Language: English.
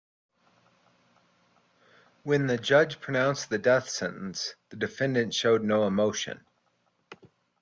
When the judge pronounced the death sentence, the defendant showed no emotion.